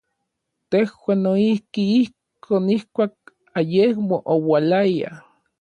Tejuan noijki ijkon, ijkuak ayemo oualaya.